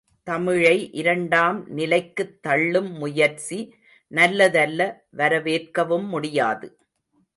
தமிழை இரண்டாம் நிலைக்குத்தள்ளும் முயற்சி நல்லதல்ல வரவேற்கவும் முடியாது.